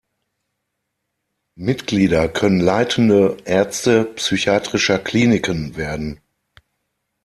Mitglieder können Leitende Ärzte psychiatrischer Kliniken werden.